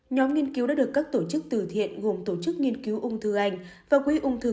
nhóm nghiên cứu đã được các tổ chức từ thiện gồm tổ chức nghiên cứu ung thư anh và quỹ ung thư